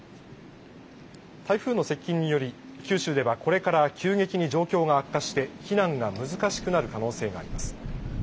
台風の接近により九州ではこれから急激に状況が悪化して避難が難しくなる可能性があります。